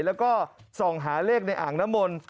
แล้วก็ส่องหาเลขในอ่างนมล